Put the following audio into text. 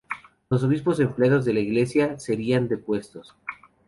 Los obispos o empleados de la iglesia, serían depuestos.